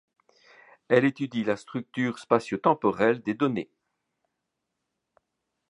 Elle étudie la structure spatio-temporelle des données.